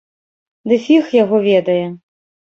Ды фіг яго ведае!